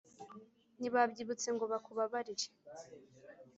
ntibabyibutse ngo bakubabarire .